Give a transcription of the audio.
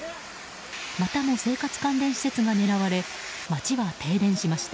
またも生活関連施設が狙われ街は停電しました。